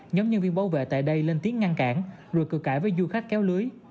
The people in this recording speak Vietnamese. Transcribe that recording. nhóm nhân viên bảo vệ tại đây lên tiếng ngăn cản rượt cửa cãi với du khách kéo lưới